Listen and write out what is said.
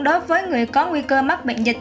đối với người có nguy cơ mắc bệnh dịch